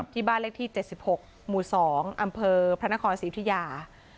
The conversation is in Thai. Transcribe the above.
ที่บ้านเลขที่๗๖หมู่๒อำเภอพระนครศรีอุทิยา